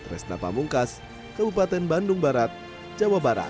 restapa mungkas kabupaten bandung barat jawa barat